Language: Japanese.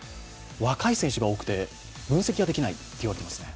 若い選手が多くて分析ができないと言われていますね。